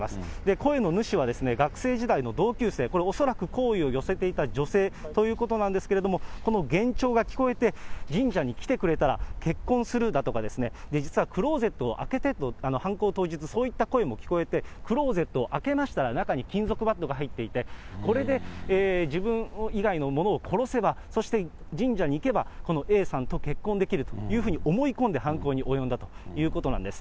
声の主は、学生時代の同級生、これ恐らく好意を寄せていた女性ということなんですけれども、この幻聴が聞こえて、神社に来てくれたら結婚するだとか、実はクローゼットを開けてと、犯行当日、そういった声も聞こえて、クローゼットを開けましたら、中に金属バットが入っていて、これで自分以外の者を殺せば、そして神社に行けば、このＡさんと結婚できるというふうに思い込んで犯行に及んだということなんです。